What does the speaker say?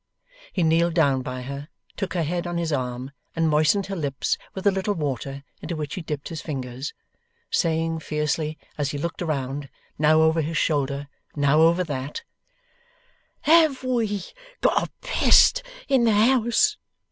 He kneeled down by her, took her head on his arm, and moistened her lips with a little water into which he dipped his fingers: saying, fiercely, as he looked around, now over this shoulder, now over that: 'Have we got a pest in the house?